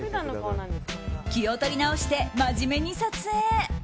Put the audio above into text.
気を取り直して真面目に撮影。